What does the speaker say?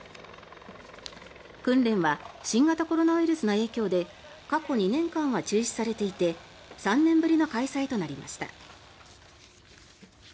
訓練は新型コロナウイルスの影響で過去２年間は中止されていて３年ぶりの開催となりました。